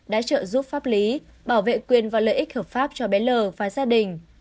đã trợ giúp pháp lý bảo vệ quyền và lợi ích hợp pháp cho bé l và gia đình